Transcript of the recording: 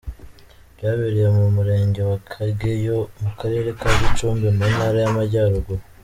Byabereye mu murenge wa Kageyo mu karere ka Gicumbi mu ntara y’ Amajyaruguru.